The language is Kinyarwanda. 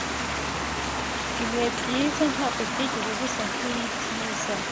Ibihe byiza ntabwo byigeze bisa nkibyiza"